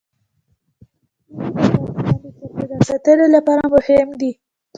اوړي د افغانستان د چاپیریال ساتنې لپاره مهم دي.